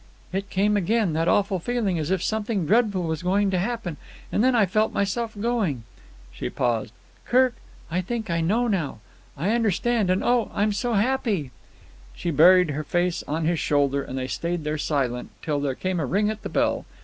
"It came again, that awful feeling as if something dreadful was going to happen. And then I felt myself going." She paused. "Kirk, I think I know now. I understand; and oh, I'm so happy!" She buried her face on his shoulder, and they stayed there silent, till there came a ring at the bell.